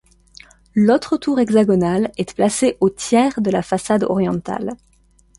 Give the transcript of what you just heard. L’autre tour hexagonale, est placée au tiers de la façade orientale.